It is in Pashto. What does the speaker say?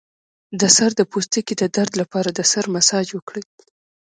د سر د پوستکي د درد لپاره د سر مساج وکړئ